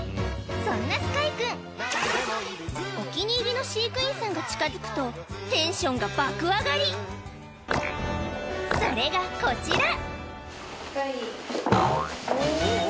そんなスカイくんお気に入りの飼育員さんが近づくとテンションが爆上がりそれがこちら！